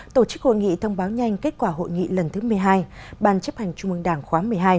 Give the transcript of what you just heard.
tổ chức hội nghị thông báo nhanh kết quả hội nghị lần thứ một mươi hai ban chấp hành trung ương đảng khóa một mươi hai